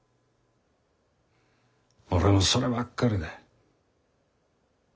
俺もそればっかりだ。